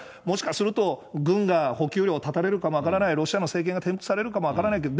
もしかすると、軍が補給路を断たれるかも分からない、ロシアの政権が転覆されるかも分からない。